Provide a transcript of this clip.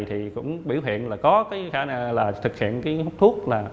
thì cũng biểu hiện là có cái khả năng là thực hiện cái hút thuốc là